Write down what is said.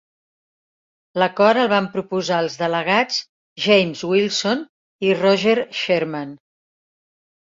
L'acord el van proposar els delegats James Wilson i Roger Sherman.